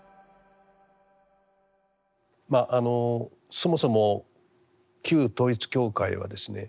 そもそも旧統一教会はですね